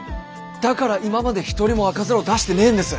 だから今まで一人も赤面を出してねぇんです！